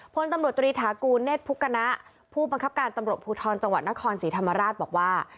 พลตำรวจตรีถากูลเนธพุกณะผู้บังคับการตำรวจภูทรจังหวัดนครศรีธรรมราชบอกว่า